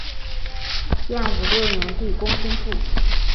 建武六年帝公孙述。